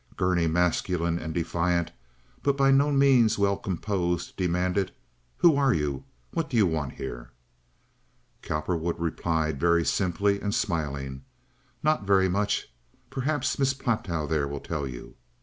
Gurney, masculine and defiant, but by no means well composed, demanded: "Who are you? What do you want here?" Cowperwood replied very simply and smilingly: "Not very much. Perhaps Miss Platow there will tell you."